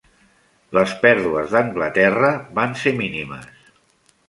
Les pèrdues d'Anglaterra van ser mínimes.